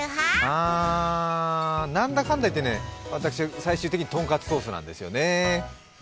ああ、なんだかんだいって私は最終的にとんかつソースなんですよね。